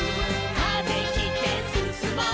「風切ってすすもう」